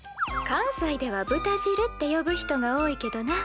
関西では「ぶたじる」って呼ぶ人が多いけどな。